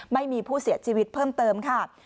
ไม่มีผู้เสียชีวิตเพิ่มเติมค่ะ